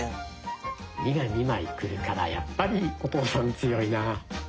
「２」が２枚くるからやっぱりお父さん強いな。